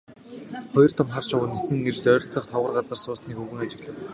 Хоёр том хар шувуу нисэн ирж ойролцоох товгор газарт суусныг өвгөн ажиглав.